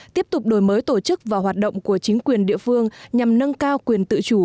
tiếp tục đổi mới tổ chức và hoạt động của chính quyền địa phương nhằm nâng cao quyền tự chủ